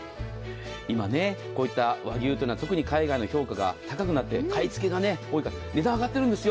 今こういった和牛というのは特に評価が高くなって、買い付けが値段が上がっているんですよ。